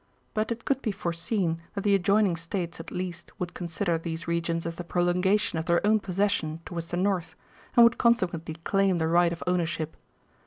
But it could be foreseen that the adjoining States at least would consider these regions as the prolongation of their own possession towards the north and would consequently claim the right of ownership.